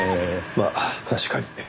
まあ確かに。